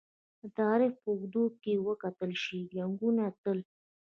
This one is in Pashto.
د تاریخ په اوږدو کې که وکتل شي! جنګونه تل